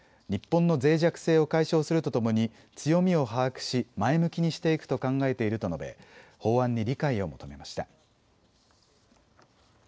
日本のぜい弱性を解消するとともに強みを把握し前向きにしていくと考えていると述べ法案に理解を求めました。